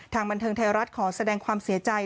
บันเทิงไทยรัฐขอแสดงความเสียใจ